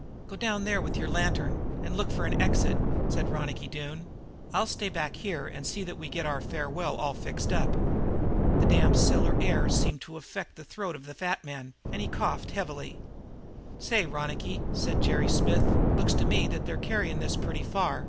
"Go down there with your lantern and look for the exit," said Ronicky Doone. "I'll stay back here and see that we get our farewell all fixed up." The damp cellar air seemed to affect the throat of the fat man. He coughed heavily. "Say, Ronicky," said Jerry Smith, "looks to me that you're carrying this pretty far.